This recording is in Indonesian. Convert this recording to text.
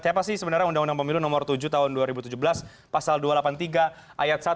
siapa sih sebenarnya undang undang pemilu nomor tujuh tahun dua ribu tujuh belas pasal dua ratus delapan puluh tiga ayat satu